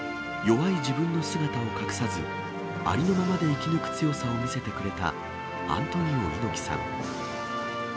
弱い自分の姿を隠さず、ありのままで生き抜く強さを見せてくれたアントニオ猪木さん。